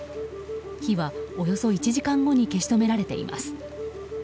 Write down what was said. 火はおよそ１時間後に消し止められています。